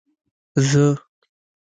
زه